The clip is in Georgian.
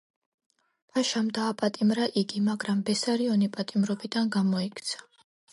ფაშამ დააპატიმრა იგი, მაგრამ ბესარიონი პატიმრობიდან გამოიქცა.